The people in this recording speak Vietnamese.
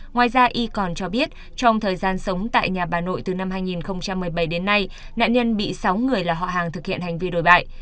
ngoài ra y còn cho biết trong thời gian sống tại nhà bà nội từ năm hai nghìn một mươi bảy đến nay nạn nhân bị sáu người là họ hàng thực hiện hành vi đổi bại